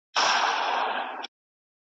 سره او سپین زر له اسمانه پر چا نه دي اورېدلي .